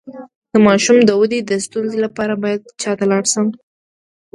د ماشوم د ودې د ستونزې لپاره باید چا ته لاړ شم؟